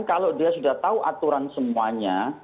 kalau dia sudah tahu aturan semuanya